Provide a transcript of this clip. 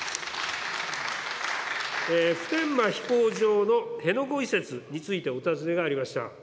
普天間飛行場の辺野古移設についてお尋ねがありました。